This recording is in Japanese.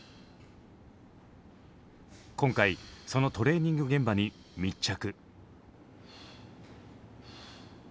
今回そのトレーニング現場に密着。